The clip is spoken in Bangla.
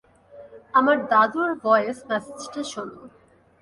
আমার দাদুর ভয়েস মেসেজটা শোনো!